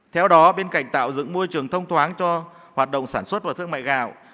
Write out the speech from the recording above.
theo đó bên cạnh tạo dựng môi trường thông thoáng cho hoạt động sản xuất và thương mại gạo